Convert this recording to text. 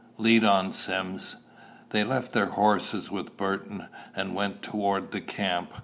Lead on, Sim." They left their horses with Burton, and went toward the camp.